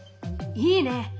いいね！